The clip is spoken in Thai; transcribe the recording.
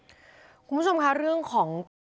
คุณผู้ชมคะเรื่องของการทำร้ายร่างกายของคุณยาย